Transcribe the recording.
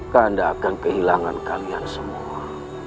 keanda akan kehilangan kalian semua